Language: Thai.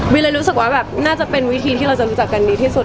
เลยรู้สึกว่าแบบน่าจะเป็นวิธีที่เราจะรู้จักกันดีที่สุด